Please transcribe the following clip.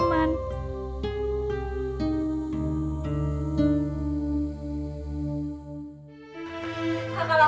ketika kalian merasa pengakuan kalian